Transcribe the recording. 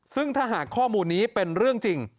ซึ่งถ้าหากข้อมูลนี้เป็นเรื่องจริง